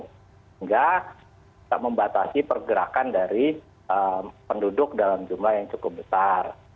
sehingga tidak membatasi pergerakan dari penduduk dalam jumlah yang cukup besar